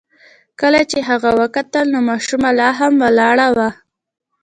کله چې هغه وکتل نو ماشومه لا هم ولاړه وه.